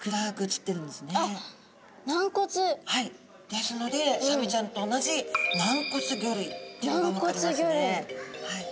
ですのでサメちゃんと同じ軟骨魚類っていうのが分かりますね。